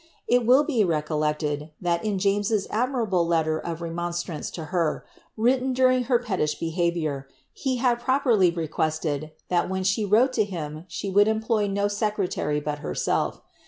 It will be recollected, that in James's admirable letter of remonstrance to her, written during her pettish behaviour, he had pro perly requested, that when she wrote to him she would employ no secretary but herself.